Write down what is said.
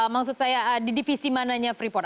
maksud saya di divisi mananya freeport